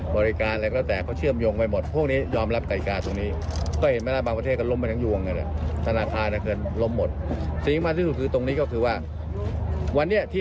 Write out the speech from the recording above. วันนี้ที่เอามาพูดกันวันนี้